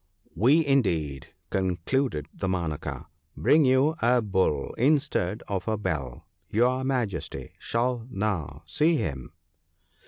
We, indeed,' concluded Damanaka, * bring you a Bull instead of a bell — your Majesty shall now see him